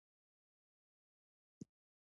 د زده کړې مور د ماشومانو لپاره ښه الهام ده.